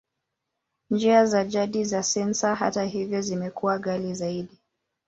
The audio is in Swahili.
Njia za jadi za sensa, hata hivyo, zimekuwa ghali zaidi.